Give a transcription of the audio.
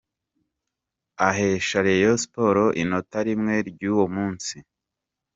ahesha Rayon Sport inota rimwe ry’uwo munsi